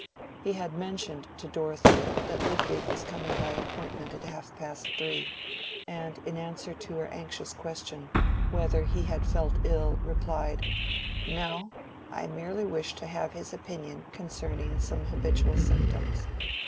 He had mentioned to Dorothea that Lydgate was coming by appointment at half past three, and in answer to her anxious question, whether he had felt ill, replied,—"No, I merely wish to have his opinion concerning some habitual symptoms.